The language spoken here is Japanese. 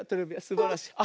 すばらしい。